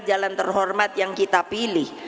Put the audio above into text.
jalan terhormat yang kita pilih